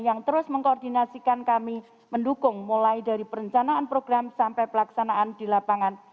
yang terus mengkoordinasikan kami mendukung mulai dari perencanaan program sampai pelaksanaan di lapangan